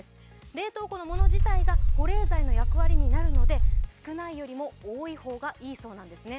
冷凍庫の物自体が保冷剤の役割になるので少ないよりも多い方がいいそうなんですね。